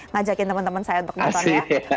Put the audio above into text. ngajakin teman teman saya untuk nonton ya